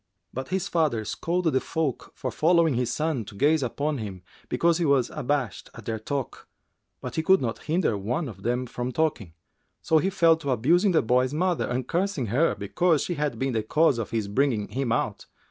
But his father scolded the folk for following his son to gaze upon him, because he was abashed at their talk, but he could not hinder one of them from talking; so he fell to abusing the boy's mother and cursing her because she had been the cause of his bringing him out.